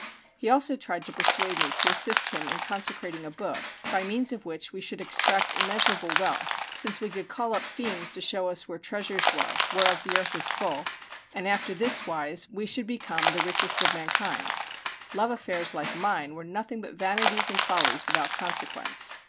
He also tried to persuade me to assist him in consecrating a book, by means of which we should extract immeasurable wealth, since we could call up fiends to show us where treasures were, whereof the earth is full; and after this wise we should become the richest of mankind: love affairs like mine were nothing but vanities and follies without consequence.